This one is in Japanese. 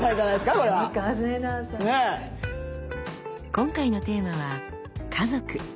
今回のテーマは「家族」。